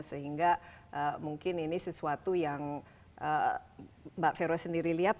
sehingga mungkin ini sesuatu yang mbak vero sendiri lihat